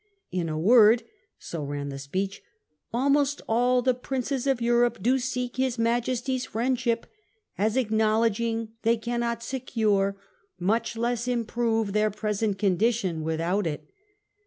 * In a word/ so ran the speech, 'almost all the princes of Europe do seek his Majesty's friendship, as acknowledging they cannot secure, much less improve, their present condition with out it.